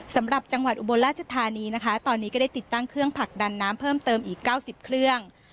สำหรับจังหวัดอุบลราชธานีนะคะตอนนี้ก็ได้ติดตั้งเครื่องผลักดันน้ำเพิ่มเติมอีก๙๐เครื่อง